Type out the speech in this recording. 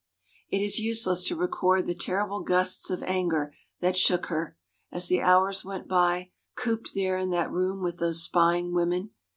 It is useless to record the terrible gusts of anger that shook her, as the hours went by, cooped there in that room with those spying women.